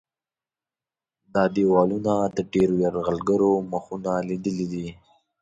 دا دیوالونه د ډېرو یرغلګرو مخونه لیدلي دي.